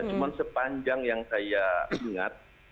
cuma sepanjang yang saya ingat